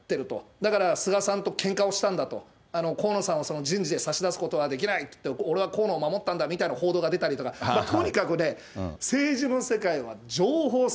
だから菅さんとけんかをしたんだと、河野さんを人事で差し出すことはできないって言って、俺は河野を守ったんだというような報道が出たりとか、とにかくね、政治の世界は情報戦。